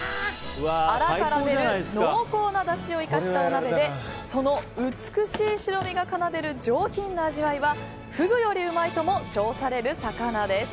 アラから出る濃厚なだしを生かしたお鍋でその美しい白身が奏でる上品な味わいはフグよりうまいとも称される魚です。